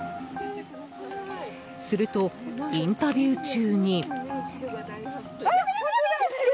すると、インタビュー中に。